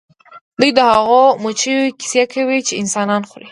دوی د هغو مچیو کیسې کوي چې انسانان خوري